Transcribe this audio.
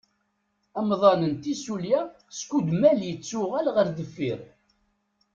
Amḍan n tissulya skudmal yettuɣal ɣer deffir.